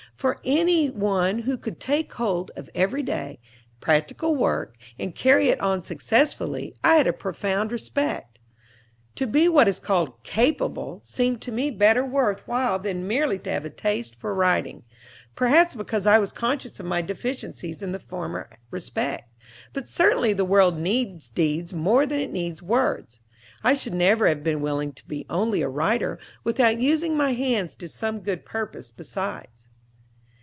For any one who could take hold of every day, practical work, and carry it on successfully, I had a profound respect. To be what is called "capable" seemed to me better worth while than merely to have a taste or for writing, perhaps because I was conscious of my deficiencies in the former respect. But certainly the world needs deeds more than it needs words. I should never have been willing to be only a writer, without using my hands to some good purpose besides.